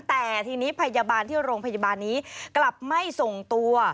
แต่ทีนี้พยาบาลที่โรงพยาบาลนี้กลับไม่ส่งตัว